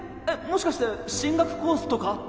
もしかして進学コースとか？